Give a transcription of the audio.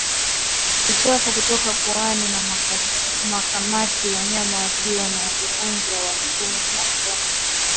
Uchafu kutoka puani au makamasi wanyama wakiwa na ugonjwa wa miguu na midomo